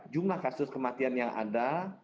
jumlah kasus kematian yang ada